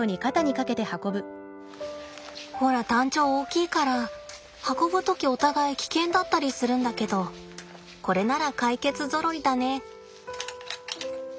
ほらタンチョウ大きいから運ぶ時お互い危険だったりするんだけどこれならかいけつゾロリだね。